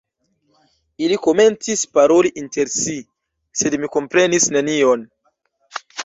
Ili komencis paroli inter si, sed mi komprenis nenion.